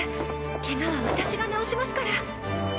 ケガは私が治しますから。